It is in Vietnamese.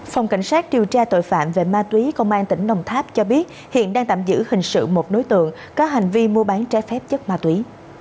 phòng cảnh sát điều tra tội phạm về ma túy công an tỉnh đồng tháp cho biết hiện đang tạm giữ hình sự một đối tượng có hành vi mua bán trái phép chất ma túy